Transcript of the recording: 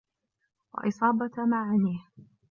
وَإِصَابَةَ مَعَانِيهِ